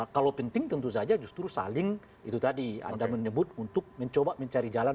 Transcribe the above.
kalau penting tentu saja justru saling itu tadi anda menyebut untuk mencoba mencari jalan